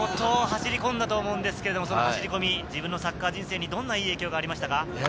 大久保さんも国見時代に相当走り込んだと思うんですが、その走り込み、自分のサッカー人生にどんな影響がありましたか？